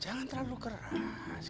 jangan terlalu keras